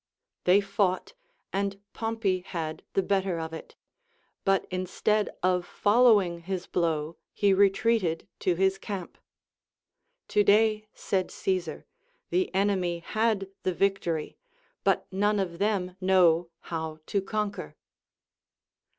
They fought, and Pompey had the bet ter of it ; but instead of following his blow he retreated to his camp. To day, said Caesar, the enemy had the victory, but none of them know how to conquer.